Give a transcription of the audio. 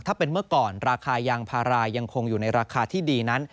ถ้าเป็นเมื่อก่อนราคายางพารายังคงอยู่ในราคาที่ดีนั้น